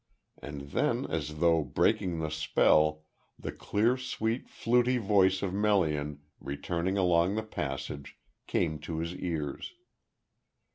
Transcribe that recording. And then, as though breaking the spell, the clear, sweet, fluty voice of Melian, returning along the passage, came to his ears.